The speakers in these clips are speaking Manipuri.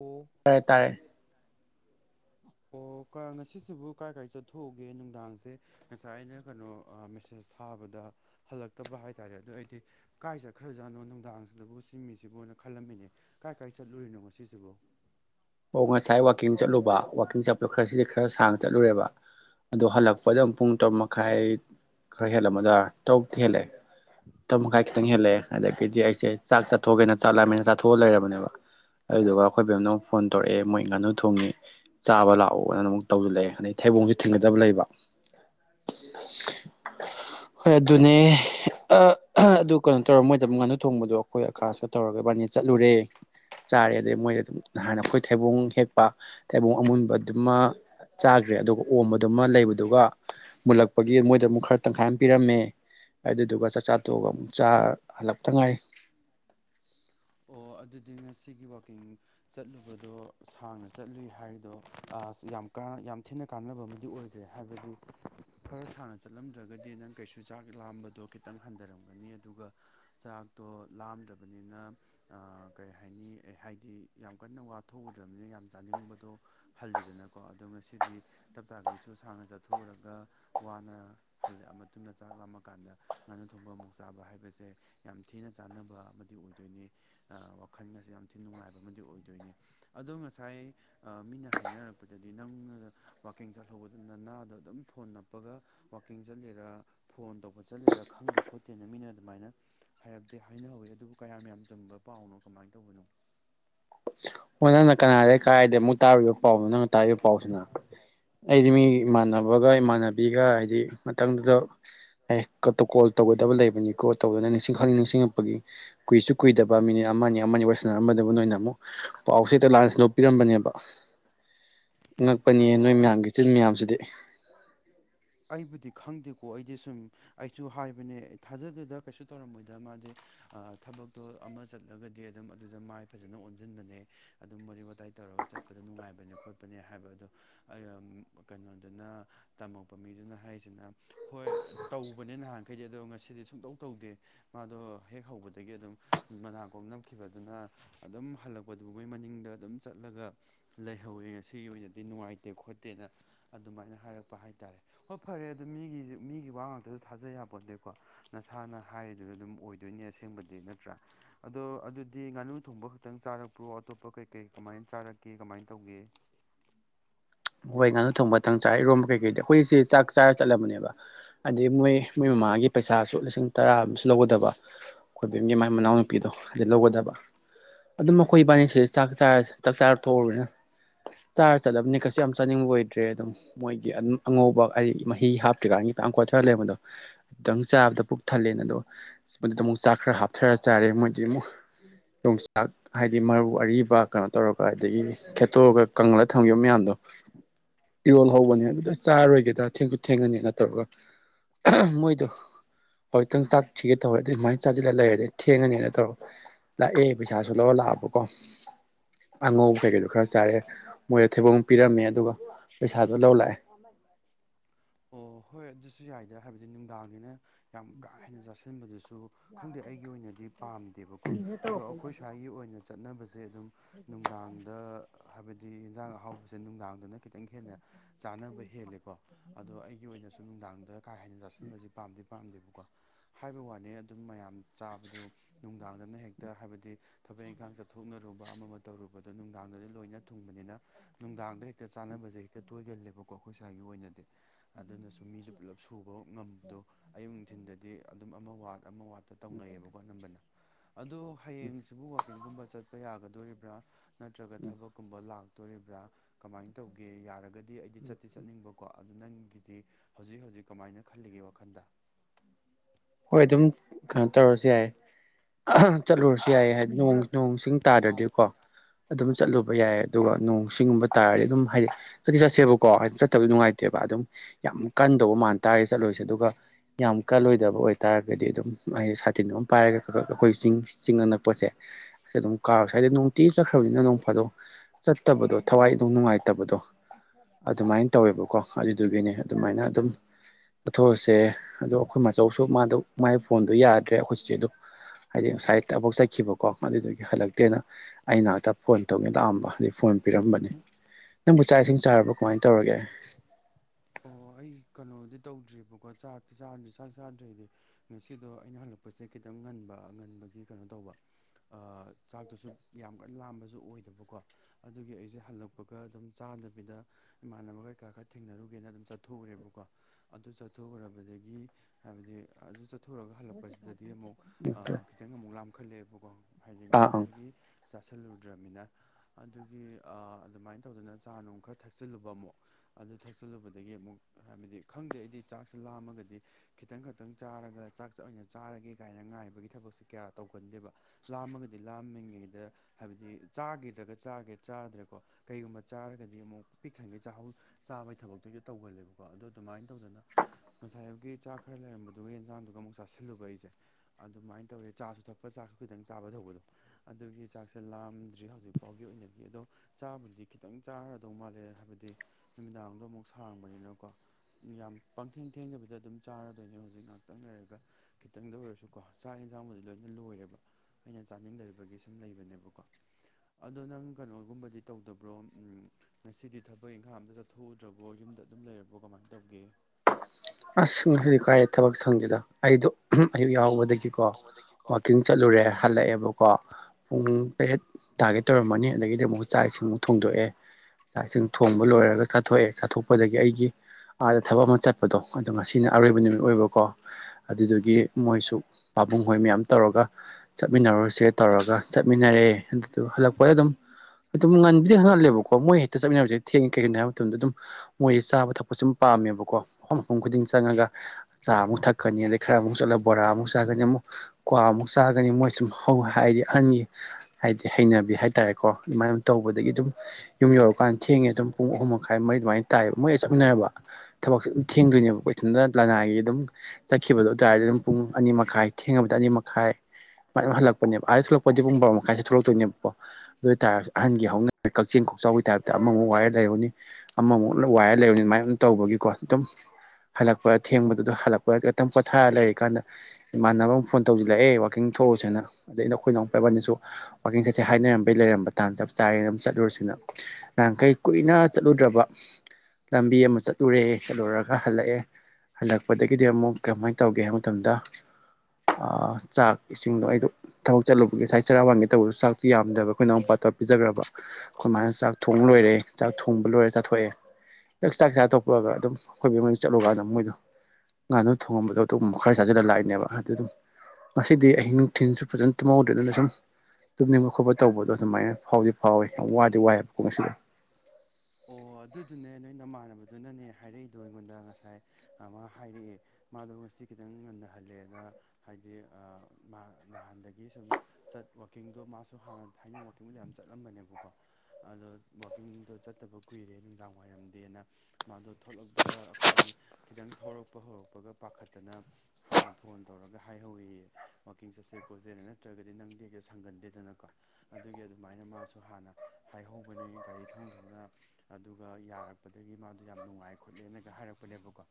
ꯑꯣ ꯇꯔꯦ ꯇꯥꯔꯦ ꯑꯣ ꯉꯁꯤꯁꯤꯕꯨ ꯀꯥꯏ ꯀꯥꯏ ꯆꯠꯊꯣꯛꯎꯒꯦ ꯅꯨꯡꯗꯥꯡꯁꯦ ꯉꯁꯥꯏ ꯑꯩꯅ ꯀꯩꯅꯣ ꯃꯦꯁꯦꯁ ꯊ ꯊꯥꯕꯗ ꯍꯜꯂꯛꯇꯕ ꯍꯥꯏꯇꯥꯔꯦ ꯑꯗꯨ ꯑꯩꯗꯤ ꯀꯥꯏ ꯆꯠꯈ꯭ꯔꯖꯥꯠꯅꯣ ꯅꯨꯡꯗꯥꯡꯁꯤꯗꯕꯨ ꯁꯤꯃꯤꯁꯤꯕꯣꯅ ꯈꯜꯂꯝꯃꯤꯅꯦ ꯀꯥꯏ ꯀꯥꯏ ꯆꯠꯂꯨꯔꯤꯅꯣ ꯉꯁꯤꯁꯤꯕꯨ ꯑꯣ ꯉꯁꯥꯏ ꯋꯥꯛꯀꯤꯡ ꯆꯠꯂꯨꯕ ꯋꯥꯛꯀꯤꯡ ꯆꯠꯄꯗꯨ ꯉꯁꯤꯗꯤ ꯈꯔ ꯁꯥꯡꯅ ꯆꯠꯂꯨꯔꯦꯕ ꯑꯗꯣ ꯍꯜꯂꯛꯄꯗ ꯑꯃꯨꯛ ꯄꯨꯡ ꯇꯔꯨꯛ ꯃꯈꯥꯏ ꯈꯔ ꯍꯦꯜꯂꯝꯃꯗꯔꯥ ꯇꯔꯨꯛꯇꯤ ꯍꯦꯜꯂꯛꯑꯦ ꯇꯔꯨꯛ ꯃꯈꯥꯏ ꯈꯤꯇꯪ ꯍꯦꯜꯂꯛꯑꯦ ꯑꯗꯒꯤꯗꯤ ꯑꯩꯁꯦ ꯆꯥꯛ ꯆꯥꯊꯣꯛꯒꯦꯅ ꯆꯥꯛ ꯂꯥꯝꯃ‌ꯦꯅ ꯆꯥꯊꯣꯛꯑꯒ ꯂꯩꯔꯕꯅꯦꯕ ꯑꯗꯨꯗꯨꯒ ꯑꯩꯈꯣꯏꯕꯦꯝꯅ ꯃꯨꯛ ꯐꯣꯟ ꯇꯧꯔꯛꯑꯦ ꯃꯣꯏ ꯉꯥꯅꯨ ꯊꯣꯡꯉꯤ ꯆꯥꯕ ꯂꯥꯛꯑꯣꯅ ꯑꯃꯨꯛ ꯇꯧꯁꯤꯜꯂꯛꯑꯦ ꯑꯗꯩ ꯊꯩꯕꯣꯡꯁꯨ ꯊꯤꯡꯒꯗꯕ ꯂꯩꯕ [inaudible] ꯍꯣꯏ ꯑꯗꯨꯅꯦ ꯑ ꯑꯗꯨ ꯀꯩꯅꯣ ꯇꯧꯔ ꯃꯣꯏꯗ ꯑꯃꯨꯛ ꯉꯥꯅꯨ ꯊꯣꯡꯕꯗꯣ ꯑꯩꯈꯣꯏ ꯑꯀꯥꯁꯀ ꯇꯧꯔꯒ ꯏꯕꯥꯅꯤ ꯆꯠꯂꯨꯔꯦ ꯆꯥꯏꯌ‌ꯦ ꯑꯗꯨꯗꯩ ꯃꯣꯏꯗ ꯑꯗꯨꯝ ꯅꯍꯥꯟ ꯑꯩꯈꯣꯏ ꯊꯩꯕꯣꯡ ꯍꯦꯛꯄ ꯊꯩꯕꯣꯡ ꯑꯃꯨꯟꯕ ꯑꯗꯨꯃ ꯆꯥꯈ꯭ꯔꯦ ꯑꯗꯨꯒ ꯑꯣꯝꯕꯗꯨꯃ ꯂꯩꯕꯗꯨꯒ ꯃꯨꯜꯂꯛꯄꯒꯤ ꯃꯣꯏꯗ ꯑꯃꯨꯛ ꯈꯔ ꯇꯪꯈꯥꯏ ꯑꯃ ꯄꯤꯔꯝꯃꯦ ꯑꯗꯨꯗꯨꯒ ꯆꯥꯛꯆꯥ ꯇꯣꯛꯑꯒ ꯑꯃꯨꯛ ꯆꯥ ꯍꯜꯂꯛꯇ ꯉꯥꯏꯔꯤ ꯑꯣ ꯑꯗꯨꯗꯤ ꯉꯁꯤꯒꯤ ꯋꯥꯛꯀꯤꯡ ꯆꯠꯂꯨꯕꯗꯣ ꯁꯥꯡꯅ ꯆꯠꯂꯨꯏ ꯍꯥꯏꯕꯗꯣ ꯑ ꯌꯥꯝ ꯀꯥ ꯌꯥꯝ ꯊꯤꯅ ꯀꯥꯟꯅꯕ ꯑꯃꯗꯤ ꯑꯣꯏꯈ꯭ꯔꯦ ꯍꯥꯏꯕꯗꯤ ꯈꯔ ꯁꯥꯡꯅ ꯆꯠꯂꯝꯗ꯭ꯔꯒꯗꯤ ꯅꯪ ꯀꯩꯁꯨ ꯆꯥꯛ ꯂꯥꯝꯕꯗꯣ ꯈꯤꯇꯪ ꯍꯟꯊꯔꯝꯒꯅꯤ ꯑꯗꯨꯒ ꯆꯥꯛꯇꯣ ꯂꯥꯝꯗ꯭ꯔꯕꯅꯤꯅ ꯑꯥ ꯀꯩ ꯍꯥꯏꯅꯤ ꯍꯥꯏꯗꯤ ꯌꯥꯝ ꯀꯟꯅꯥ ꯋꯥꯊꯣꯛꯎꯗ꯭ꯔꯅꯤꯅ ꯌꯥꯝ ꯆꯥꯅꯤꯡꯕꯗꯣ ꯍꯜꯂꯤꯗꯅꯀꯣ ꯑꯗꯣ ꯉꯁꯤꯗꯤ ꯇꯞꯇꯥꯈꯩꯁꯨ ꯁꯥꯡꯅ ꯆꯠꯊꯣꯛꯎꯔꯒ ꯋꯥꯅ ꯍꯜꯂꯛꯑ ꯃꯇꯨꯡꯗ ꯆꯥꯛ ꯂꯥꯝꯃꯀꯥꯟꯗ ꯉꯥꯅꯨ ꯊꯣꯡꯕ ꯑꯃꯨꯛ ꯆꯥꯕ ꯍꯥꯏꯕꯁꯦ ꯌꯥꯝ ꯊꯤꯅ ꯆꯥꯅꯕ ꯑꯃꯗꯤ ꯑꯣꯏꯗꯣꯏꯅꯤ ꯅ ꯋꯥꯈꯜꯒꯁꯦ ꯌꯥꯝ ꯊꯤꯅ ꯅꯨꯡꯉꯥꯏꯕ ꯑꯃꯗꯤ ꯑꯣꯏꯗꯣꯏꯅꯤ ꯑꯗꯣ ꯉꯁꯥꯏ ꯑꯥ ꯃꯤꯅ ꯍꯥꯏꯅꯔꯛꯄꯗꯗꯤ ꯅꯪꯅ ꯋꯥꯛꯀꯤꯡ ꯆꯠꯍꯧꯕꯗꯨꯅ ꯅꯥꯅꯗ ꯑꯗꯨꯝ ꯐꯣꯟ ꯅꯞꯄꯒ ꯋꯥꯀꯤꯡ ꯆꯠꯂꯤꯔꯥ ꯐꯣꯟ ꯇꯧꯕ ꯆꯠꯂꯤꯔꯥ ꯈꯪꯗꯦ ꯈꯣꯠꯇꯦꯅ ꯃꯤꯅ ꯑꯗꯨꯃꯥꯏꯅ ꯍꯥꯏꯔꯞꯗꯤ ꯍꯥꯏꯅꯍꯧꯋꯤ ꯑꯗꯨ ꯀꯌꯥꯝ ꯌꯥꯝ ꯆꯨꯝꯕ ꯄꯥꯎꯅꯣ ꯀꯃꯥꯏꯅ ꯇꯧꯕꯅꯣ ꯑꯣ ꯅꯪꯅ ꯀꯅꯥꯗꯒꯤ ꯀꯥꯏꯗ ꯑꯃꯨꯛ ꯇꯥꯔꯨꯔꯤꯕ ꯄꯥꯎꯅꯣ ꯅꯪꯅ ꯇꯥꯔꯤꯕ ꯄꯥꯎꯁꯤꯅ ꯑꯩꯗꯤ ꯃꯤ ꯏꯃꯥꯟꯅꯕꯒ ꯏꯃꯥꯟꯅꯕꯤꯒ ꯍꯥꯏꯗꯤ ꯃꯇꯝꯗꯨꯗ ꯑ‌ꯦ ꯀꯣꯜꯇꯧꯒꯗꯕ ꯂꯩꯕꯅꯤꯀꯣ ꯇꯧꯗꯅ ꯅꯤꯡꯁꯤꯡ ꯈꯪꯉ ꯅꯤꯡꯁꯤꯡꯉꯛꯄꯒꯤ ꯀꯨꯏꯁꯨ ꯀꯨꯏꯗꯕ ꯃꯤꯅꯤꯠ ꯑꯃꯅꯤ ꯑꯃꯅꯤ ꯋꯔꯤꯁꯟꯅꯔꯝꯕꯗꯨꯕꯨ ꯅꯣꯏꯅ ꯑꯃꯨꯛ ꯄꯥꯎꯁ‌ꯦ ꯍ‌ꯦꯛꯇ ꯂꯥꯟꯅ ꯁꯗꯣꯛꯄꯤꯔꯝꯕꯅꯦꯕ ꯉꯛꯄꯅꯦꯌꯦ ꯑꯣ ꯅꯣꯏ ꯑꯩ ꯃꯌꯥꯝꯒꯤ ꯆꯤꯟ ꯃꯌꯥꯝꯁꯤꯗꯤ ꯑꯩꯕꯨꯗꯤ ꯈꯪꯗꯦꯀꯣ ꯑꯩꯗꯤ ꯁꯨꯝ ꯑꯩꯁꯨ ꯍꯥꯏꯕꯅꯦ ꯊꯥꯖꯗ‌ꯦꯗ ꯀꯩꯁꯨ ꯇꯧꯔꯝꯃꯣꯏꯗ ꯃꯥꯗꯤ ꯊꯕꯛꯇꯣ ꯑꯃ ꯆꯠꯂꯒꯗꯤ ꯑꯗꯨꯝ ꯑꯗꯨꯗ ꯃꯥꯏ ꯐꯖꯅ ꯑꯣꯟꯁꯤꯟꯕꯅꯦ ꯑꯗꯨꯝ ꯋꯥꯔꯤ ꯋꯥꯇꯥꯏ ꯇꯧꯔꯒ ꯆꯠꯄꯗ ꯅꯨꯡꯉꯥꯏꯕꯅꯦ ꯈꯣꯠꯄꯅꯦ ꯍꯥꯏꯕ ꯑꯗꯣ ꯀꯩꯅꯣꯗꯨꯅ ꯇꯃꯛ ꯄ ꯃꯤꯗꯨꯅ ꯍꯥꯏꯔꯤꯁꯤꯅ ꯍꯣꯏ ꯇꯧꯕꯅꯦ ꯅꯍꯥꯟꯈꯩꯗꯤ ꯑꯗꯣ ꯉꯁꯤꯗꯤ ꯁꯨꯡꯇꯧ ꯇꯧꯗꯦ ꯃꯥꯗꯣ ꯍꯦꯛ ꯍꯧꯕꯗꯒꯤ ꯑꯗꯨꯝ ꯃꯅꯥ ꯀꯣꯛ ꯅꯞꯈꯤꯕꯗꯨꯅ ꯑꯗꯨꯝ ꯍꯜꯂꯛꯄꯗꯨ ꯃꯣꯏ ꯃꯅꯤꯡꯗ ꯑꯗꯨꯝ ꯆꯠꯂꯒ ꯂꯩꯍꯧꯋꯦ ꯉꯁꯤꯒꯤ ꯑꯣꯏꯅꯗꯤ ꯅꯨꯡꯉꯥꯏꯇꯦ ꯈꯣꯠꯇꯦꯅ ꯑꯗꯨꯃꯥꯏꯅ ꯍꯥꯏꯔꯛꯄ ꯍꯥꯏꯇꯥꯔꯦ ꯍꯣꯏ ꯐꯔꯦ ꯑꯗꯨ ꯃꯤꯒꯤ ꯃꯤꯒꯤ ꯋꯥ ꯉꯥꯛꯇꯁꯨ ꯊꯥꯖ ꯌꯥꯕꯣꯠꯇꯦꯀꯣ ꯅꯁꯥꯅ ꯍꯥꯏꯔꯤꯗꯨꯗ ꯑꯗꯨꯝ ꯑꯣꯏꯗꯣꯏꯅꯤ ꯑꯁꯦꯡꯕꯗꯤ ꯅꯠꯇ꯭ꯔꯥ ꯑꯗꯣ ꯑꯗꯨꯗꯤ ꯉꯥꯅꯨ ꯊꯣꯡꯕ ꯈꯛꯇꯪ ꯆꯥꯔꯛꯄ꯭ꯔꯣ ꯑꯇꯣꯞꯄ ꯀꯩ ꯀꯩ ꯀꯃꯥꯏꯅ ꯆꯥꯔꯛꯀꯦ ꯀꯃꯥꯏꯅ ꯇꯧꯒꯦ ꯍꯣꯏ ꯉꯥꯅꯨ ꯊꯣꯡꯕ ꯇꯪ ꯆꯥꯔꯦ ꯏꯔꯣꯝꯕ ꯀꯩꯀꯩꯗꯤ ꯑꯩꯈꯣꯏꯁꯦ ꯆꯥꯛ ꯆꯥꯔ ꯆꯠꯂꯕꯅꯦꯕ ꯍꯥꯏꯗꯤ ꯃꯣꯏ ꯃꯣꯏ ꯃꯃꯥꯒꯤ ꯄꯩꯁꯥꯁꯨ ꯂꯤꯁꯤꯡ ꯇꯔꯥ ꯑꯃꯁꯨ ꯂꯧꯒꯗꯕ ꯈꯣꯏꯕꯦꯝꯒꯤ ꯃꯥꯏ ꯃꯅꯥꯎꯅꯨꯄꯤꯗꯣ ꯑꯗꯩꯩ ꯂꯧꯒꯗꯕ ꯑꯗꯨꯝ ꯃꯈꯣꯏ ꯏꯕꯥꯅꯤꯁꯤ ꯆꯥꯛ ꯆꯔ ꯆꯥꯛ ꯆꯥꯔ ꯊꯣꯛꯎꯕꯅꯤꯅ ꯆꯥꯔ ꯆꯠꯂꯕꯅꯤ ꯀꯩꯁꯨ ꯌꯥꯝ ꯆꯅꯤꯡꯕ ꯑꯣꯏꯗ꯭ꯔꯦ ꯑꯗꯨꯝ ꯃꯣꯏꯒꯤ ꯑꯗꯨꯝ ꯑꯉꯧꯕ ꯍꯥꯏꯗꯤ ꯃꯍꯤ ꯍꯥꯞꯇ꯭ꯔꯤꯀꯥꯟꯒꯤ ꯈꯤꯇꯪ ꯈꯣꯠꯊꯔ ꯂꯩꯔꯝꯕꯗꯣ ꯈꯤꯇꯪ ꯆꯥꯕꯗ ꯄꯨꯛ ꯊꯜꯂꯦꯅ ꯑꯗꯣ ꯃꯗꯨꯗ ꯑꯃꯨꯛ ꯆꯥꯛ ꯈꯔ ꯍꯥꯞꯊꯔ ꯆꯥꯔꯦ ꯃꯣꯏꯗꯤ ꯑꯃꯨꯛ ꯌꯣꯡꯆꯥꯛ ꯍꯥꯏꯗꯤ ꯃꯔꯨ ꯑꯔꯤꯕ ꯀꯩꯅꯣ ꯇꯧꯔꯒ ꯑꯗꯒꯤ ꯈꯦꯠꯇꯣꯛꯑꯒ ꯀꯪꯂꯒ ꯊꯝꯈꯤꯕ ꯃꯌꯥꯝꯗꯣ ꯏꯔꯣꯜ ꯍꯧꯕꯅꯦ ꯑꯗꯨꯗ ꯆꯥꯔꯣꯏꯒꯦꯗ ꯊꯦꯡꯁꯨ ꯊꯦꯡꯉꯅꯤꯅ ꯇꯧꯔꯒ ꯃꯣꯏꯗꯣ ꯍꯧꯖꯤꯛꯇꯪ ꯆꯥꯛ ꯊꯤꯒꯦ ꯇꯧꯔꯦ ꯑꯗꯨꯃꯥꯏꯅ ꯆꯥꯖꯤꯜꯂꯒ ꯂꯩꯔꯗꯤ ꯊꯦꯡꯉꯅꯤꯅ ꯇꯧꯕ ꯂꯥꯛꯑꯦ ꯄꯩꯁꯥꯁꯨ ꯂꯧꯔ ꯂꯥꯛꯑꯕꯀꯣ ꯑꯉꯧꯕ ꯀꯩꯀꯩꯗꯣ ꯈꯔ ꯆꯥꯔꯦ ꯃꯣꯏꯗ ꯊꯩꯕꯣꯡ ꯄꯤꯔꯝꯃꯦ ꯑꯗꯨꯒ ꯄꯩꯁꯥꯗꯣ ꯂꯧꯔ ꯂꯥꯛꯑꯦ ꯑꯣ ꯍꯣꯏ ꯑꯗꯨꯁꯨ ꯌꯥꯏꯗ ꯍꯥꯏꯕꯗꯤ ꯅꯨꯡꯗꯥꯡꯅꯤꯅ ꯌꯥꯝ ꯀꯥ ꯍꯦꯟꯅ ꯆꯥꯁꯤꯟꯕꯗꯨꯁꯨ ꯈꯪꯗꯦ ꯑꯩꯒꯤ ꯑꯣꯏꯅꯗꯤ ꯄꯥꯝꯗꯦꯕꯀꯣ ꯑꯗꯣ ꯑꯩꯈꯣꯏ ꯁ꯭ꯋꯥꯏꯒꯤ ꯑꯣꯏꯅ ꯆꯠꯅꯕꯁꯦ ꯑꯗꯨꯝ ꯅꯨꯡꯗꯥꯡꯗ ꯍꯥꯏꯕꯗꯤ ꯌꯦꯟꯖꯥꯡ ꯑꯍꯥꯎꯕꯁꯦ ꯅꯨꯡꯗꯥꯡꯗꯅ ꯈꯤꯇꯪ ꯍꯦꯟꯅ ꯆꯥꯅꯕ ꯍꯦꯜꯂꯦꯀꯣ ꯑꯗꯣ ꯑꯩ ꯑꯩꯒꯤ ꯑꯣꯏꯅꯁꯨ ꯅꯨꯡꯗꯥꯡꯗ ꯀꯥ ꯍꯦꯟꯅ ꯆꯥꯁꯤꯟꯕꯁꯤ ꯄꯥꯝꯗꯤ ꯄꯥꯝꯗꯦꯕꯀꯣ ꯍꯥꯏꯕ ꯋꯥꯅꯤ ꯑꯗꯨꯝ ꯃꯌꯥꯝ ꯆꯥꯕꯗꯣ ꯅꯨꯡꯗꯥꯡꯗꯅ ꯍꯦꯛꯇ ꯍꯥꯏꯕꯗꯤ ꯊꯕꯛ ꯏꯪꯈꯥꯡ ꯆꯠꯊꯣꯛꯅꯔꯨꯕ ꯑꯃ ꯑꯃ ꯇꯧꯔꯨꯕꯗꯣ ꯅꯨꯡꯗꯥꯡꯗꯗꯤ ꯂꯣꯏꯅ ꯊꯨꯡꯕꯅꯤꯅ ꯅꯨꯡꯗꯥꯡꯗ ꯍꯦꯛꯇ ꯆꯥꯅꯕꯁꯦ ꯍꯦꯛꯇ ꯊꯣꯏꯒꯜꯂꯦꯕꯀꯣ ꯑꯩꯈꯣꯏ ꯁ꯭ꯋꯥꯏꯒꯤ ꯑꯣꯏꯅꯗꯤ ꯑꯗꯨꯅꯁꯨ ꯃꯤꯗꯨ ꯄꯨꯂꯞ ꯁꯨꯕ ꯉꯝꯕꯗꯣ ꯑꯌꯨꯛ ꯅꯨꯡꯊꯤꯟꯗꯗꯤ ꯑꯗꯨꯝ ꯑꯃ ꯋꯥꯠ ꯑꯃ ꯋꯥꯠꯇ ꯇꯧꯅꯩꯌꯦꯕꯀꯣ ꯑꯅꯝꯕꯅ ꯑꯗꯣ ꯍꯌꯦꯡꯁꯤꯕꯨ ꯋꯥꯛꯀꯤꯡꯒꯨꯝꯕ ꯆꯠꯄ ꯌꯥꯒꯗꯣꯔꯤꯕ꯭ꯔꯥ ꯅꯠꯇ꯭ꯔꯒ ꯊꯕꯛꯀꯨꯝꯕ ꯂꯥꯛꯇꯣꯔꯤꯕ꯭ꯔꯥ ꯀꯃꯥꯏꯅ ꯇꯧꯒꯦ ꯌꯥꯔꯒꯗꯤ ꯑꯩꯗꯤ ꯆꯠꯇꯤ ꯆꯠꯅꯤꯡꯕ ꯀꯣ ꯑꯗꯨ ꯅꯪꯒꯤꯗꯤ ꯍꯧꯖꯤꯛ ꯍꯧꯖꯤꯛ ꯀꯃꯥꯏꯅ ꯈꯜꯂꯤꯒꯦ ꯋꯥꯈꯟꯗ ꯍꯣꯏ ꯑꯗꯨꯝ ꯀꯩꯅꯣ ꯇꯧꯔꯁꯨ ꯌꯥꯏ ꯆꯠꯂꯨꯔꯁꯨ ꯌꯥꯏꯌꯦ ꯍꯥꯏꯗꯤ ꯅꯣꯡ ꯅꯣꯡ ꯆꯤꯡ ꯇꯥꯗ꯭ꯔꯗꯤꯀꯣ ꯑꯗꯨꯝ ꯆꯠꯂꯨꯕ ꯌꯥꯏ ꯑꯗꯨꯒ ꯅꯣꯡ ꯁꯤꯡꯒꯨꯝꯕ ꯇꯥꯔꯗꯤ ꯑꯗꯨꯝ ꯍꯥꯏꯗꯤ ꯆꯠꯇꯤ ꯆꯠꯁꯦꯕꯀꯣ ꯍꯥꯏꯗꯤ ꯆꯠꯇꯕꯗꯤ ꯅꯨꯡꯉꯥꯏꯇꯦꯕ ꯑꯗꯨꯝ ꯌꯥꯝ ꯀꯟꯗꯧꯕ ꯃꯥꯟ ꯇꯥꯔꯗꯤ ꯆꯠꯂꯣꯏꯁꯦ ꯑꯗꯨꯒ ꯌꯥꯝ ꯀꯜꯂꯣꯏꯗꯕ ꯑꯣꯏ ꯇꯥꯔꯒꯗꯤ ꯑꯗꯨꯝ ꯑꯩ ꯁꯥꯇꯤꯟ ꯑꯃ ꯄꯥꯏꯔꯒ ꯑꯩꯈꯣꯏ ꯆꯤꯡ ꯆꯤꯡ ꯑꯅꯛꯄꯁꯦ ꯁꯦ ꯑꯗꯨꯝ ꯀꯥꯔꯁꯤ ꯍꯥꯏꯗꯤ ꯅꯨꯡꯇꯤ ꯆꯠꯈ꯭ꯔꯕꯅꯤꯅ ꯅꯣꯡ ꯐꯥꯗꯣꯛ ꯆꯠꯇꯕꯗꯣ ꯊꯋꯥꯏ ꯏꯅꯨꯡ ꯅꯨꯡꯉꯥꯏꯇꯕꯗꯣ ꯑꯗꯨꯃꯥꯏꯅ ꯇꯧꯋꯦꯕꯀꯣ ꯑꯗꯨꯗꯨꯒꯤꯅꯦ ꯑꯗꯨꯃꯥꯏꯅ ꯑꯗꯨꯝ ꯆꯠꯊꯣꯛꯑꯁꯦ ꯑꯗꯣ ꯑꯩꯈꯣꯏ ꯃꯆꯧꯁꯨ ꯃꯥꯗꯨ ꯃꯥꯏ ꯐꯣꯟꯗꯣ ꯌꯥꯗ꯭ꯔꯦ ꯑꯩꯈꯣꯏ ꯆꯦꯗꯨ ꯍꯥꯏꯗꯤ ꯉꯁꯥꯏ ꯊꯕꯛ ꯆꯠꯈꯤꯕꯀꯣ ꯑꯗꯨꯗꯨꯒꯤ ꯍꯜꯂꯛꯇꯦꯅ ꯑꯩ ꯅꯥꯛꯇ ꯐꯣꯟ ꯇꯧꯒꯦ ꯂꯥꯛꯑꯝꯕ ꯑꯗꯨ ꯐꯣꯟ ꯄꯤꯔꯝꯕꯅꯤ ꯅꯪꯕꯨ ꯆꯥꯛ ꯏꯁꯤꯡ ꯆꯥꯔꯕꯣ ꯀꯃꯥꯏꯅ ꯇꯧꯔꯒꯦ ꯑꯣ ꯑꯩ ꯀꯩꯅꯣꯗꯤ ꯇꯧꯗ꯭ꯔꯤꯕꯀꯣ ꯆꯥꯛꯇꯤ ꯆꯥꯗ꯭ꯔꯦ ꯆꯥꯛ ꯆꯥꯗ꯭ꯔꯤꯗꯤ ꯉꯁꯤꯗꯣ ꯑꯩꯅ ꯍꯜꯂꯛꯄꯁꯦ ꯈꯤꯇꯪ ꯉꯟꯕ ꯉꯟꯕꯒꯤ ꯀꯩꯅꯣ ꯇꯧꯕ ꯆꯥꯛꯇꯨꯁꯨ ꯌꯥꯝ ꯀꯟꯅ ꯂꯥꯝꯕꯁꯨ ꯑꯣꯏꯗꯕꯀꯣ ꯑꯗꯨꯒꯤ ꯑꯩꯁꯦ ꯍꯜꯂꯛꯄꯒ ꯑꯗꯨꯝ ꯆꯥꯗꯕꯤꯗ ꯏꯃꯥꯟꯅꯕꯒꯩ ꯀꯥ ꯈꯔ ꯊꯦꯡꯅꯔꯨꯒꯦꯅ ꯑꯗꯨꯝ ꯆꯠ ꯆꯠꯊꯣꯛꯎꯔꯦꯕꯀꯣ ꯑꯗꯨ ꯆꯠꯊꯣꯛꯎꯔꯕꯗꯒꯤ ꯍꯥꯏꯕꯗꯤ ꯑꯗꯨ ꯆꯠꯊꯣꯔꯒ ꯍꯜꯂꯛꯄꯁꯤꯗꯗꯤ ꯑꯃꯨꯛ ꯈꯤꯇꯪ ꯑꯃꯨꯛ ꯂꯥꯝꯈꯠꯂꯛꯑꯦꯕꯀꯣ ꯍꯥꯏꯗꯤ ꯑꯥ ꯑꯪ ꯉꯁꯥꯏꯗꯒꯤ ꯆꯥꯁꯤꯜꯂꯨꯗ꯭ꯔꯅꯤꯅ ꯑꯗꯨꯒꯤ ꯑꯗꯨꯃꯥꯏꯅ ꯇꯧꯗꯅ ꯆꯥ ꯅꯨꯡ ꯈꯔ ꯊꯛꯆꯤꯜꯂꯨꯕ ꯑꯃꯨꯛ ꯑꯗꯨ ꯊꯛꯆꯤꯜꯂꯨꯕꯗꯒꯤ ꯑꯃꯨꯛ ꯍꯥꯏꯕꯗꯤ ꯈꯪꯗꯦ ꯑꯩꯗꯤ ꯆꯥꯛꯁꯤ ꯂꯥꯝꯃꯒꯗꯤ ꯈꯤꯇꯪ ꯈꯛꯇꯪ ꯆꯥꯔꯒ ꯆꯥꯛ ꯆꯥ ꯑꯣꯏꯅ ꯆꯥꯔꯒꯦ ꯀꯥꯏꯅ ꯉꯥꯏꯕꯒꯤ ꯊꯕꯛꯁꯦ ꯀꯌꯥ ꯇꯧꯒꯟꯗꯦꯕ ꯂꯥꯝꯃꯒꯗꯤ ꯂꯥꯝꯃꯤꯉꯩꯗ ꯍꯥꯏꯕꯗꯤ ꯆꯥꯈꯤꯗ꯭ꯔꯒ ꯆꯥꯒꯦ ꯆꯥꯗ꯭ꯔꯦꯀꯣ ꯀꯩꯒꯨꯝꯕ ꯆꯥꯔꯒꯗꯤ ꯑꯃꯨꯛ ꯄꯤꯛ ꯊꯪꯒꯦ ꯆꯥꯛꯍ ꯆꯥꯕꯩ ꯊꯕꯛꯇꯨꯗꯤ ꯇꯧꯒꯜꯂꯦꯕꯀꯣ ꯑꯗꯣ ꯑꯗꯨꯃꯥꯏꯅ ꯇꯧꯗꯅ ꯉꯁꯥꯏꯒꯤ ꯆꯥꯛ ꯈꯔ ꯂꯩꯔꯝꯕꯗꯨꯒꯤ ꯌꯦꯟꯖꯥꯡꯗꯨꯒ ꯑꯃꯨꯛ ꯆꯥꯁꯤꯜꯂꯨꯕ ꯑꯩꯁꯦ ꯑꯗꯨꯃꯥꯏꯅ ꯇꯧꯔꯦ ꯆꯥꯁꯨ ꯊꯛꯄ ꯆꯥꯁꯨ ꯈꯤꯇꯪ ꯆꯥꯕ ꯊꯧꯕꯗꯣ ꯑꯗꯨꯒꯤ ꯆꯥꯛꯁꯦ ꯂꯥꯝꯗ꯭ꯔꯤ ꯍꯧꯖꯤꯛ ꯐꯥꯎꯒꯤ ꯑꯣꯏꯅꯗꯤ ꯑꯗꯣ ꯆꯥꯕꯨꯗꯤ ꯈꯤꯇꯪ ꯆꯥꯔꯗꯧ ꯃꯥꯜꯂꯦ ꯍꯥꯏꯕꯗꯤ ꯅꯨꯃꯤꯗꯥꯡꯗꯣ ꯑꯃꯨꯛ ꯁꯥꯡꯕꯅꯤꯅꯀꯣ ꯌꯥꯝ ꯄꯥꯡꯊꯦꯡ ꯊꯦꯡꯖꯕꯤꯗ ꯑꯗꯨꯝ ꯆꯥꯔꯗꯣꯏꯅꯦ ꯍꯧꯖꯤꯛ ꯉꯥꯛꯇꯪ ꯂꯩꯔꯒ ꯈꯤꯇꯪꯗ ꯑꯣꯏꯔꯁꯨꯀꯣ ꯆꯥꯛ ꯌꯦꯟꯁꯥꯡꯕꯨꯗꯤ ꯂꯣꯏꯅ ꯂꯣꯏꯔꯦꯕ ꯑꯩꯅ ꯆꯥꯅꯤꯡꯗꯕꯒꯤ ꯁꯨꯝ ꯂꯩꯕꯅꯦꯕꯀꯣ ꯑꯗꯣ ꯅꯪ ꯀꯩꯅꯣꯒꯨꯝꯕꯗꯤ ꯇꯧꯗꯕ꯭ꯔꯣ ꯉꯁꯤꯗꯤ ꯊꯕꯛ ꯏꯪꯈꯥꯡ ꯑꯝꯗ ꯆꯠꯊꯣꯛꯎꯗ꯭ꯔꯕꯣ ꯌꯨꯝꯗ ꯑꯗꯨꯝ ꯂꯩꯔꯕꯣ ꯀꯃꯥꯏꯅ ꯇꯧꯒꯦ ꯑꯁ ꯉꯗꯤ ꯀꯥꯏꯗꯩꯩ ꯊꯕꯛ ꯁꯪꯗꯨꯗ ꯑꯩꯗꯣ ꯑꯌꯨꯛ ꯌꯥꯎꯕꯗꯒꯤ ꯋꯥꯋꯀꯤꯡ ꯆꯠꯂꯨꯔꯦ ꯀꯣ ꯍꯜꯂꯛꯑꯦꯕꯀꯣ ꯄꯨꯡ ꯇꯔꯦꯠ ꯇꯥꯔꯒꯦꯠ ꯇꯧꯔꯝꯃꯅꯤ ꯑꯗꯒꯤꯗꯤ ꯑꯃꯨꯛ ꯆꯥꯛ ꯏꯁꯤ ꯑꯃꯨꯛ ꯊꯣꯡꯗꯣꯛꯑꯦ ꯆꯥꯛ ꯏꯁꯤꯡ ꯊꯣꯡꯕ ꯂꯣꯏꯔꯒ ꯆꯠꯊꯣꯛꯑꯦ ꯆꯥꯊꯣꯛꯄꯗꯒꯤ ꯑꯩꯒꯤ ꯑꯥꯗ ꯊꯕꯛ ꯑꯃ ꯆꯠꯄ ꯗꯣ ꯑꯗꯣ ꯉꯁꯤꯅ ꯑꯔꯣꯏꯕ ꯅꯨꯃꯤꯠ ꯑꯣꯏꯕꯀꯣ ꯑꯗꯨꯗꯨꯗꯒꯤ ꯃꯣꯏꯁꯨ ꯄꯥꯕꯨꯡ ꯈꯣꯏ ꯃꯌꯥꯝ ꯇꯧꯔꯒ ꯆꯠꯃꯤꯟꯅꯔꯨꯁꯦ ꯇꯧꯔꯒ ꯆꯠꯃꯤꯟꯅꯔꯦ ꯑꯗꯨꯗ ꯍꯜꯂꯛꯄꯗ ꯑꯗꯨꯝ ꯑꯗꯨꯝ ꯉꯟꯕꯨꯗꯤ ꯍꯪꯍꯜꯂꯦꯕꯀꯣ ꯃꯣꯏ ꯍꯦꯛꯇ ꯆꯠꯃꯤꯟꯅꯕꯁꯦ ꯊꯦꯡꯉꯦ ꯀꯩꯒꯤꯅꯣ ꯍꯥꯏꯕ ꯃꯇꯝꯗ ꯑꯗꯨꯝ ꯃꯣꯏꯁꯦ ꯆꯥꯕ ꯊꯛꯄ ꯁ ꯑꯗꯨ ꯄꯥꯝꯃꯦꯕꯀꯣ ꯃꯐꯝ ꯃꯐꯝ ꯈꯨꯗꯤꯡ ꯆꯪꯉꯒ ꯆꯥꯃꯨꯛ ꯊꯛꯀꯅꯤ ꯑꯗꯩ ꯈꯔ ꯑꯃꯨꯛ ꯆꯠꯂꯒ ꯕꯣꯔꯥ ꯑꯃꯨꯛ ꯆꯥꯀꯅꯤ ꯑꯃꯨꯛ ꯀ꯭ꯋꯥꯃꯨꯛ ꯆꯥꯒꯅꯤ ꯃꯣꯏ ꯁꯨꯝ ꯍꯧ ꯍꯥꯏꯗꯤ ꯑꯍꯟꯒꯤ ꯍꯥꯏꯗꯤ ꯍꯩꯅꯕꯤ ꯍꯥꯏꯇꯥꯔꯦꯀꯣ ꯑꯗꯨꯃꯥꯏꯅ ꯇꯧꯕꯗꯒꯤ ꯑꯗꯨꯝ ꯌꯨꯝ ꯌꯧꯔꯀꯥꯟꯗ ꯊꯦꯡꯉꯦ ꯑꯗꯨꯝ ꯄꯨꯡ ꯑꯍꯨꯝ ꯃꯈꯥꯏ ꯃꯔꯤ ꯑꯗꯨꯃꯥꯏꯅ ꯇꯥꯏꯌꯦꯕ ꯃꯣꯏꯒ ꯆꯠꯃꯤꯟꯅꯔꯕ ꯊꯕꯛꯁꯦ ꯗꯣꯏꯅꯦꯕ ꯢꯊꯟꯗ ꯂꯅꯥꯏꯒꯤ ꯑꯗꯨꯝ ꯆꯠꯈꯤꯕꯗꯨ ꯑꯗꯨꯇꯥꯔꯗꯤ ꯑꯗꯨꯝ ꯄꯨꯡ ꯑꯅꯤ ꯃꯈꯥꯏ ꯊꯦꯡꯉꯕꯗ ꯑꯅꯤ ꯃꯈꯥꯏ ꯃ ꯌꯥꯝ ꯍꯜꯂꯛꯄꯅꯦ ꯑꯗ ꯊꯣꯛꯂꯛꯄꯗꯤ ꯄꯨꯡ ꯕꯥꯔ ꯃꯈꯥꯏꯁꯦ ꯊꯣꯛꯂꯛꯇꯣꯏꯅꯦꯕꯣ ꯑꯗꯨ ꯑꯣꯏꯇꯥꯔꯒꯁꯨ ꯑꯍꯟꯒꯤ ꯍꯧꯅ ꯀꯛꯆꯤꯡ ꯀꯣꯛꯆꯥꯎꯒꯤ ꯇꯥꯏꯞꯇ ꯑꯃꯃ ꯋꯥꯏꯌꯔ ꯂꯩꯍꯧꯅꯤ ꯑꯃꯃꯨꯛ ꯋꯥꯏꯔ ꯂꯩꯕꯅꯤ ꯑꯗꯨꯃꯥꯏꯅ ꯇꯧꯕꯒꯤꯀꯣ ꯑꯗꯨꯝ ꯍꯜꯂꯛꯄ ꯊꯦꯡꯕꯗꯨꯗ ꯍꯜꯂꯛꯄ ꯈꯤꯇꯪ ꯄꯣꯊꯥꯔ ꯂꯩꯔꯤꯀꯥꯟꯗ ꯏꯃꯥꯟꯅꯕ ꯑꯃꯛ ꯐꯣꯟ ꯇꯧꯁꯤꯜꯂꯛꯑꯦ ꯋꯥꯋꯥꯛꯀꯤꯡ ꯊꯣꯛꯎꯁꯦꯅ ꯑꯗꯩ ꯅ ꯑꯩꯈꯣꯏ ꯅꯅꯥꯎꯄꯩꯕꯅꯁꯨ ꯋꯥꯀꯤꯡ ꯆꯠꯁꯦ ꯍꯥꯏꯅꯔꯝꯕꯩ ꯂꯩꯔꯝꯕ ꯇꯥꯟ ꯆꯞ ꯆꯥꯔꯦ ꯑꯗꯨꯝ ꯆꯠꯂꯨꯔꯔꯤꯁꯤꯅ ꯅꯥꯟ ꯀꯩ ꯀꯨꯏꯅ ꯆꯠꯂꯨꯗ꯭ꯔꯕ ꯂꯝꯕꯤ ꯑꯃ ꯆꯠꯂꯨꯔꯦ ꯆꯠꯂꯨꯔꯒ ꯈ ꯍꯜꯂꯛꯑꯦ ꯍꯜꯂꯛꯄꯗꯒꯤꯗꯤ ꯑꯃꯨꯛ ꯀꯃꯥꯏꯅ ꯇꯧꯒꯦ ꯍꯥꯏꯕ ꯃꯇꯝꯗ ꯆꯥꯛ ꯏꯁꯤꯡꯗꯣ ꯑꯩꯗ ꯊꯕꯛ ꯆꯠꯂꯨꯕꯒꯤ ꯉꯁꯥꯏ ꯆꯔꯥ ꯋꯥꯟꯒꯦ ꯇꯧꯕꯗꯨꯁꯨ ꯆꯥꯛꯇꯨ ꯌꯥꯝꯗ꯭ꯔꯕ ꯑꯩꯈꯣꯏꯅꯎꯄꯥꯇ ꯄꯤꯖꯈ꯭ꯔꯕ ꯑꯩꯈꯣꯏ ꯃꯥꯥꯏꯅ ꯆꯥꯛ ꯊꯣꯡ ꯆꯥ ꯂꯣꯏꯔꯦ ꯆꯥꯛ ꯊꯣꯡꯕ ꯂꯣꯏꯔꯦ ꯆꯥꯊꯣꯛꯑꯦ ꯍꯛ ꯆꯥꯛ ꯆꯥꯛꯊꯣꯛꯄꯑꯒ ꯑꯗꯨꯝ ꯑꯩꯈꯣꯏꯒꯤꯉꯣꯟꯗ ꯆꯠꯂꯨꯀꯥꯟꯗ ꯃꯣꯏꯗꯣ ꯉꯥꯡꯗꯨꯅ ꯊꯣꯡꯉꯝꯕꯗ ꯑꯇꯣꯕ ꯈꯔ ꯆꯥꯖꯜꯂ ꯂꯥꯛꯏꯅꯦꯕ ꯑꯗꯨꯗꯨꯝ ꯉꯁꯤꯗꯤ ꯑꯍꯤꯡ ꯅꯨꯡꯊꯤꯜꯁꯨ ꯐꯖꯅ ꯇꯨꯝꯍꯧꯗꯦꯗꯅ ꯁꯨꯝ ꯇꯨꯝꯅꯤꯡꯕ ꯈꯣꯠꯄ ꯇꯧꯕꯗꯣ ꯑꯗꯨꯃꯥꯏꯅ ꯐꯥꯎꯗꯤ ꯐꯥꯎꯋꯦ ꯌꯥꯝ ꯋꯥꯗꯤ ꯋꯥꯏꯑꯕ ꯀꯣꯡꯁꯤꯗ ꯑꯣ ꯑꯗꯨꯗꯨꯅꯦ ꯅꯣꯏ ꯅꯃꯥꯟꯅꯕꯗꯨꯅꯅꯦ ꯍꯥꯏꯔꯛꯏꯗꯣ ꯑꯩꯉꯣꯟꯗ ꯉꯁꯥꯏ ꯑꯃ ꯍꯥꯏꯔꯛꯑꯦ ꯃꯥꯗꯣ ꯉꯁꯤ ꯈꯤꯇꯪ ꯉꯝꯊꯍꯜꯂꯦꯅ ꯍꯥꯏꯗꯤ ꯅꯍꯥꯟꯗꯒꯤ ꯁꯨꯝ ꯆꯠ ꯋꯥꯛꯀꯤꯡꯗꯣ ꯃꯥꯁꯨ ꯍꯥꯟꯅ ꯊꯥꯏꯅ ꯋꯀꯤꯡꯗꯨꯗ ꯌꯥꯝ ꯆꯠꯂꯝꯕꯅꯦꯕꯀꯣ ꯑꯗꯣ ꯋꯥꯛꯀꯤꯡꯗꯣ ꯆꯠ ꯐꯠꯇꯕ ꯀꯨꯏꯔꯦ ꯅꯨꯡꯗꯥꯡ ꯋꯥꯏꯔꯝꯗꯦꯅ ꯃꯥꯗꯣ ꯊꯣꯛꯂꯛꯄꯒ ꯑꯩꯈꯣꯏꯒꯤ ꯈꯤꯇꯪ ꯊꯧꯔꯛꯄ ꯍꯧꯔꯛꯄ ꯀꯄꯒ ꯄꯥꯈꯠꯇꯅ ꯍꯥꯟꯅ ꯐꯣꯟ ꯇꯧꯔꯒ ꯍꯥꯏꯍꯧꯋꯌꯦ ꯋꯥꯋꯥꯛꯀꯤꯡ ꯆꯠꯁꯦ ꯈꯣꯠꯁꯦꯗꯅ ꯅꯠꯇ꯭ꯔꯒꯗꯤ ꯅꯪꯗꯤ ꯍꯦꯛꯇ ꯁꯪꯒꯟꯗꯦꯗꯅꯀꯣ ꯑꯗꯨꯒꯤ ꯑꯗꯨꯃꯥꯏꯅ ꯃꯥꯁꯨ ꯍꯥꯟꯅ ꯍꯥꯏꯍꯧꯕꯅꯦ ꯒꯥꯔꯤ ꯊꯧꯅ ꯊꯧꯅ ꯑꯗꯨꯒ ꯌꯥꯔꯛꯄꯗꯒꯤ ꯃꯥꯗ ꯌꯥꯝ ꯅꯨꯡꯉꯥꯏ ꯈꯣꯠꯂꯦꯅꯒ ꯍꯥꯏꯔꯛꯄꯅꯦꯕꯀꯣ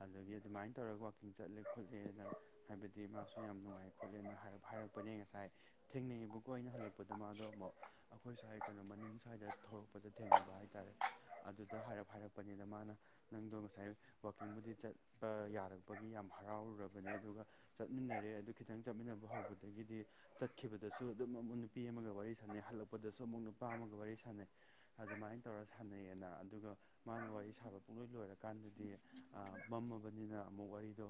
ꯑꯗꯨꯗꯒꯤ ꯑꯗꯨꯃꯥꯏꯅ ꯇꯧꯔꯒ ꯋꯥꯛꯀꯤꯡ ꯆꯠꯂꯦ ꯈꯣꯠꯂꯦꯅ ꯍꯥꯏꯕꯗꯤ ꯃꯥꯁꯨ ꯌꯥꯝ ꯅꯨꯡꯉꯥꯏ ꯈꯣꯠꯂꯦꯅ ꯍꯥꯏꯔꯛꯄꯅꯦ ꯉꯁꯥꯏ ꯊꯦꯡꯅꯩꯑꯕꯀꯣ ꯑꯩꯅ ꯍꯜꯂꯛꯄꯗ ꯃꯥꯗꯣ ꯑꯃꯨꯛ ꯑꯩꯈꯣꯏ ꯁ꯭ꯋꯥꯏ ꯀꯩꯅꯣ ꯃꯅꯤꯡ ꯁ꯭ꯋꯥꯏꯗ ꯊꯧꯔꯛꯄꯗ ꯊꯦꯡꯅꯕ ꯍꯥꯏ ꯍꯥꯏꯇꯥꯔꯦ ꯑꯗꯨꯗ ꯍꯥꯏꯔꯞ ꯍꯥꯏꯔꯛꯄꯅꯤꯅ ꯃꯥꯅ ꯅꯪꯗꯣ ꯉꯁꯥꯏ ꯋꯀꯤꯡꯕꯨꯗꯤ ꯆꯠꯄ ꯌꯥꯔꯛꯄꯒꯤ ꯌꯥꯝ ꯍꯔꯥꯎꯔꯨꯔꯕꯅꯦ ꯑꯗꯨꯒ ꯆꯠꯃꯤꯟꯅꯔꯦ ꯑꯗꯨ ꯈꯤꯇꯪ ꯆꯠꯃꯤꯟꯅꯕ ꯍꯧꯕꯗꯒꯤꯗꯤ ꯆꯠꯈꯤꯕꯗꯁꯨ ꯑꯗꯨꯝ ꯑꯃꯨꯛ ꯅꯨꯄꯤ ꯑꯃꯒ ꯋꯥꯔꯤ ꯁꯥꯟꯅꯩ ꯍꯜꯂꯛꯄꯗꯁꯨ ꯑꯃꯨꯛ ꯅꯨꯄꯥ ꯑꯃꯒ ꯋꯥꯔꯤ ꯁꯥꯟꯅꯩ ꯑꯗꯨꯃꯥꯏꯅ ꯇꯧꯔꯒ ꯁꯥꯟꯅꯩꯑꯌꯦꯅ ꯑꯗꯨꯒ ꯃꯥꯅ ꯋꯥꯔꯤ ꯁꯥꯕ ꯄꯨꯡꯂꯣꯏ ꯂꯣꯏꯔꯀꯥꯟꯗꯗꯤ ꯃꯝꯃꯕꯅꯤꯅ ꯑꯃꯨꯛ ꯋꯥꯔꯤꯗꯣ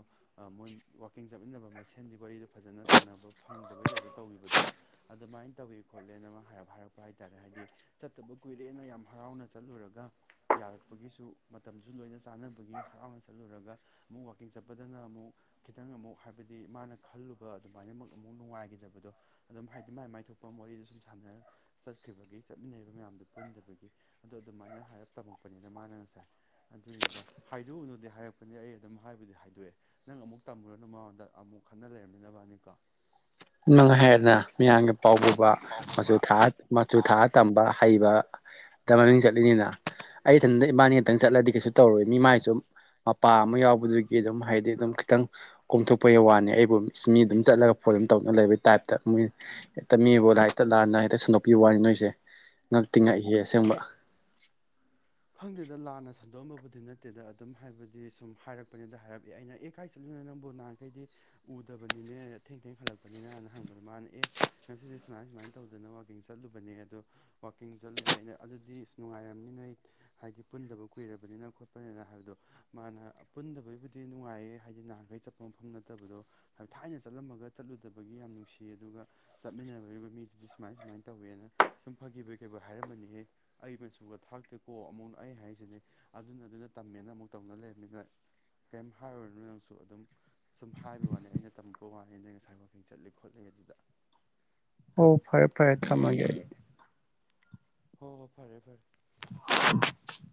ꯃꯣꯏ ꯋꯀꯤꯡ ꯆꯠꯃꯤꯟꯅꯕ ꯃꯁꯦꯟꯗꯤ ꯋꯥꯔꯤꯗꯣ ꯐꯖꯅ ꯁꯥꯟꯅꯕ ꯐꯪꯗꯕꯩ ꯇꯥꯏꯞꯇ ꯇꯧꯈꯤꯕꯗꯣ ꯑꯗꯨꯃꯥꯏꯅ ꯇꯧꯋꯦ ꯈꯣꯠꯂꯦꯅ ꯑꯃ ꯍꯥꯏꯔꯛꯄ ꯍꯥꯏꯇꯥꯔꯦ ꯍꯥꯏꯗꯤ ꯆꯠꯇꯕ ꯀꯨꯏꯔꯦꯅ ꯌꯥꯝ ꯍꯔꯥꯎꯅ ꯆꯠꯂꯨꯔꯒ ꯌꯥꯔꯛꯄꯒꯤꯁꯨ ꯃꯇꯝꯁꯨ ꯂꯣꯏꯅ ꯆꯥꯅꯕꯒꯤ ꯍꯔꯥꯎꯅ ꯆꯠꯂꯨꯔꯒ ꯑꯃꯨꯛ ꯋꯥꯋꯀꯤꯡ ꯆꯠꯄꯗꯅ ꯑꯃꯨꯛ ꯈꯤꯇꯪ ꯑꯃꯨꯛ ꯍꯥꯏꯕꯗꯤ ꯃꯥꯅ ꯈꯜꯂꯨꯕ ꯑꯗꯨꯃꯥꯏꯅꯃꯛ ꯑꯃꯨꯛ ꯅꯨꯡꯉꯥꯏꯈꯤꯗꯕꯗꯣ ꯑꯗꯨꯝ ꯍꯥꯏꯗꯤ ꯃꯥꯏ ꯃꯥꯏ ꯊꯣꯛꯄ ꯃꯦꯗ ꯁꯨꯝ ꯁꯥꯟꯅꯔ ꯆꯠꯈ꯭ꯔꯤꯕꯒꯤ ꯆꯠꯃꯤꯟꯅꯔꯤꯕ ꯃꯌꯥꯝꯗꯨ ꯄꯨꯟꯗꯕꯒꯤ ꯑꯗ ꯑꯗꯨꯃꯥꯏꯅ ꯍꯥꯏꯔꯞ ꯇꯝꯃꯛꯄꯅꯤꯅ ꯃꯥꯅ ꯉꯁꯥꯏ ꯑꯗꯨꯏꯅꯤꯗ ꯍꯥꯏꯗꯣꯛꯎꯅꯨꯗꯤ ꯍꯥꯏꯔꯛꯄꯅꯤ ꯑꯩ ꯑꯗꯨꯝ ꯍꯥꯏꯕꯨꯗꯤ ꯍꯥꯏꯗꯣꯛꯑꯦ ꯅꯪ ꯑꯃꯨꯛ ꯇꯝꯃꯨꯔꯅ ꯃꯉꯣꯟꯗ ꯑꯃꯨꯛ ꯈꯟꯅ ꯂꯩꯔꯝꯅꯤ ꯅꯕꯅꯤꯀꯣ ꯅ ꯍꯥꯏꯔꯅ ꯃꯤꯌꯥꯝꯗ ꯄꯥꯎ ꯄꯨꯕ ꯄꯥꯎ ꯄꯨꯕ ꯃꯆꯨ ꯊꯥꯠ ꯃꯆꯨ ꯊꯥꯠ ꯇꯝꯕ ꯍꯩꯕ ꯗ ꯃꯃꯤꯡ ꯆꯠꯂꯤꯅꯤꯅ ꯑꯩ ꯏꯊꯟꯇ ꯏꯕꯥꯅꯤ ꯑꯨꯇꯪ ꯆꯠꯂꯗꯤ ꯀꯩꯁꯨ ꯇꯧꯔꯣꯏ ꯃꯤ ꯃꯥꯏꯁꯨ ꯃꯄꯥ ꯑꯃ ꯌꯥꯎꯕꯗꯨꯗꯒꯤ ꯑꯗꯨꯝ ꯍꯥꯏꯗꯤ ꯑꯗꯨꯝ ꯈꯤꯇꯪ ꯀꯣꯝꯊꯣꯛꯄꯒꯤ ꯋꯥꯅꯤ ꯑꯩꯕꯨ ꯃꯤ ꯑꯗꯨꯝ ꯆꯠꯂꯒ ꯐꯣꯟ ꯇꯧꯅ ꯂꯩꯕꯒꯤ ꯇꯥꯏꯞꯇ ꯃꯣꯏ ꯍꯦꯛꯇ ꯃꯤꯕꯨ ꯂ ꯍꯦꯛꯇ ꯂꯥꯟꯅ ꯍꯦꯛꯇ ꯁꯟꯗꯣꯛꯄꯤꯕ ꯋꯥꯅꯤ ꯅꯣꯏꯁꯦ ꯉꯛꯇꯤ ꯉꯛꯏ ꯍꯦ ꯑꯁꯦꯡꯕ ꯈꯪꯗꯦꯗ ꯂꯥꯟꯅ ꯁꯟꯗꯣꯛꯑꯝꯕꯕꯨꯗꯤ ꯅꯠꯇꯦꯗ ꯑꯗꯨꯝ ꯍꯥꯏꯕꯗꯤ ꯁꯨꯝ ꯍꯥꯏꯔꯛꯄꯅꯤꯗ ꯍꯥꯏꯔꯛꯏ ꯑꯩꯅ ꯑꯦ ꯀꯥꯏ ꯆꯠꯂꯤꯨꯅꯣ ꯅꯪꯕꯨꯣ ꯅꯍꯥꯟꯈꯩꯗꯤ ꯎꯗꯕꯅꯤꯅꯦ ꯊꯦꯡ ꯊꯦꯡ ꯈꯠꯂꯛꯄꯅꯤꯅ ꯍꯅ ꯍꯪꯕꯗ ꯃꯥꯅ ꯑꯦ ꯉꯁꯤꯗꯤ ꯁꯨꯃꯥꯏ ꯁꯨꯃꯥꯏꯅ ꯇꯧꯗꯅ ꯋꯥꯋꯥꯛꯀꯤꯡ ꯆꯠꯂꯨꯕꯅꯦ ꯑꯗꯣ ꯋꯥꯋꯥꯛꯀꯤꯡ ꯆꯠꯂꯨꯕ ꯑꯩꯅ ꯑꯗꯨꯗꯤ ꯑꯁ ꯅꯨꯡꯉꯥꯏꯔꯝꯅꯤ ꯅꯣꯏ ꯑꯩ ꯍꯥꯏꯗꯤ ꯄꯨꯟꯗꯕ ꯀꯨꯏꯔꯕꯅꯤꯅ ꯈꯣꯠꯄꯅꯤꯅ ꯍꯥꯏꯕꯗꯣ ꯃꯥꯅ ꯄꯨꯟꯗꯕꯒꯤꯕꯨꯗꯤ ꯅꯨꯡꯉꯥꯏꯌꯦ ꯍꯥꯏꯗꯤ ꯅꯍꯥꯟꯈꯩ ꯆꯠꯄ ꯃꯐꯝ ꯅꯠꯇꯕꯗꯣ ꯍꯥꯏ ꯊꯥꯏꯅ ꯆꯠꯂꯝꯃꯒ ꯆꯠꯂꯨꯗꯕꯒꯤ ꯌꯥꯝ ꯅꯨꯡꯁꯤꯌꯦ ꯑꯗꯨꯒ ꯆꯠꯃꯤꯟꯅꯔꯔꯤꯕ ꯃꯤꯗꯨꯗꯤ ꯁꯨꯃꯥꯏ ꯁꯨꯃꯥꯏꯅ ꯇꯧꯋꯦꯅ ꯁꯨꯝ ꯐꯈꯤꯕꯒꯤ ꯀꯩ ꯍꯥꯏꯔꯝꯃꯅꯤꯍꯦ ꯑꯩ ꯃꯆꯨꯒ ꯊꯥꯛꯇ ꯀꯣ ꯑꯃꯨꯛ ꯑꯩ ꯍꯥꯏꯁꯤꯅꯦ ꯑꯗꯨꯅ ꯑꯗꯨꯗ ꯇꯝꯃꯦꯅ ꯑꯃꯨꯛ ꯇꯧꯅ ꯂꯩꯔꯕꯅꯤꯅ ꯀꯩꯝ ꯍꯥꯏꯔꯔꯤꯅꯃꯤ ꯅꯪꯁꯨ ꯑꯗꯨꯝ ꯁꯨꯝ ꯍꯥꯏꯕ ꯋꯥꯅꯤ ꯑꯩꯅ ꯇꯝꯃꯛꯄ ꯋꯥꯅꯤ ꯅ ꯉꯁꯥꯏ ꯋꯀꯤꯡ ꯆꯠꯂꯤ ꯈꯣꯠꯂꯤ ꯑꯗꯨꯗ ꯑꯣ ꯐꯔꯦ ꯐꯔꯦ ꯊꯝꯃꯒꯦ ꯑꯩ ꯍꯣ ꯍꯣꯏ ꯐꯔꯦ ꯐꯔꯦ [unintelligible]